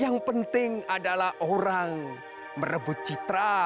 yang penting adalah orang merebut citra